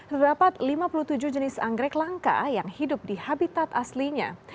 terdapat lima puluh tujuh jenis anggrek langka yang hidup di habitat aslinya